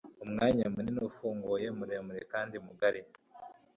umwanya munini ufunguye, muremure kandi mugari